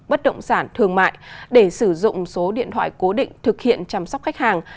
bất động sản thương mại để sử dụng số điện thoại cố định thực hiện chăm sóc khách hàng